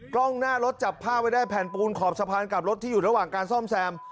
กล้องหน้ารถจับผ้าไว้ได้แผ่นปูนขอบสะพานกับรถที่อยู่ระหว่างการซ่อมแซม